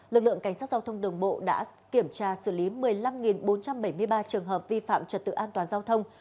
lực lượng cảnh sát giao thông đường bộ đã kiểm tra xử lý một mươi năm bốn trăm bảy mươi ba trường hợp vi phạm trật tự an toàn giao thông